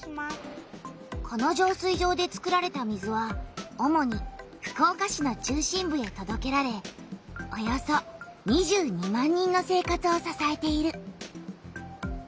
この浄水場で作られた水はおもに福岡市の中心部へとどけられおよそ２２万人の生活をささえている。